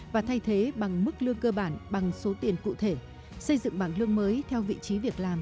và thay thế bằng mức lương cơ bản bằng số tiền cụ thể xây dựng bảng lương mới theo vị trí việc làm